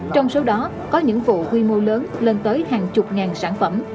trong số đó có những vụ quy mô lớn lên tới hàng chục ngàn sản phẩm